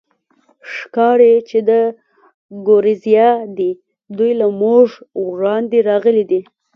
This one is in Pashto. ښکاري، چې د ګوریزیا دي، دوی له موږ وړاندې راغلي دي.